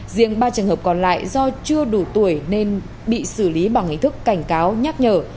riêng ba trường hợp còn lại do chưa đủ tuổi nên bị xử lý bằng hình thức cảnh cáo nhắc nhở